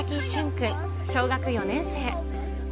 君、小学４年生。